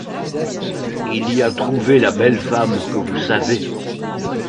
Il y a trouvé la belle femme que vous savez.